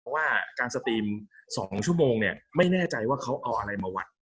เพราะว่าการสตรีม๒ชั่วโมงเนี่ยไม่แน่ใจว่าเขาเอาอะไรมาวัด